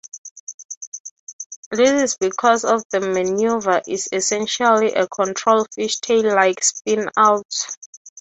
This is because the maneuver is essentially a controlled fishtail-like spin-out.